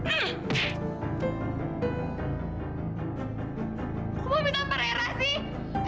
aku mau minta ampar eira sih